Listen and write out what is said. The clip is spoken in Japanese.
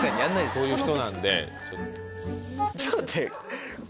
こういう人なんで。